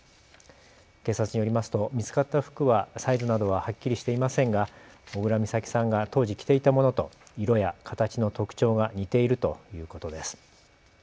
警察によりますと見つかった服はサイズなどははっきりしていませんが小倉美咲さんが当時、着ていたものと色や形の特徴が似ているということです。